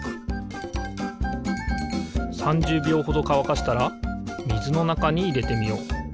３０びょうほどかわかしたらみずのなかにいれてみよう。